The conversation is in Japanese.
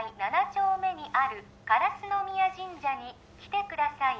丁目にある烏ノ宮神社に来てください